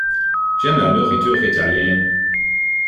J’aime la nourriture italienne.